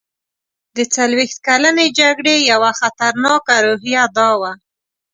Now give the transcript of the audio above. د څلوېښت کلنې جګړې یوه خطرناکه روحیه دا وه.